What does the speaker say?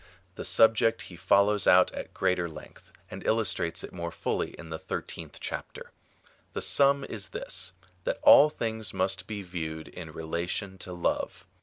^ The subject he follows out at greater length, and illustrates it more fully in the thirteenth chapter. The sum is this — that all things must be viewed in relation to love.